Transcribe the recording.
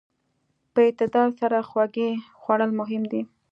په اعتدال سره خوږې خوړل مهم دي.